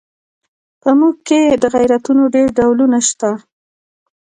په موږ کې د غیرتونو ډېر ډولونه شته.